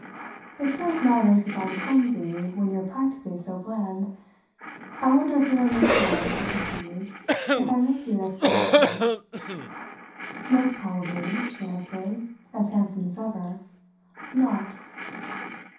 "It scarce matters if I'm clumsy when you're practically so bland. I wonder if you'll understand," I continued, "if I make you an explanation." "Most probably," she answered, as handsome as ever, "not."